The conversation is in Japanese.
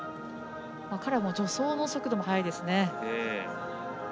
彼は助走の速度も速いですね。